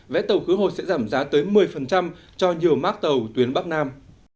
vé tàu khứ hồi sẽ giảm giá tới một mươi cho nhiều mác tàu tuyến bắc nam